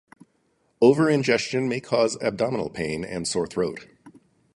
Over-ingestion may cause abdominal pain and sore throat.